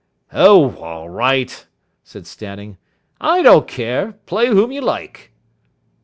"Oh, all right," said Stanning. "I don't care. Play whom you like."